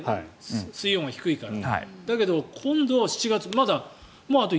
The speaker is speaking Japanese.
水温が低いから。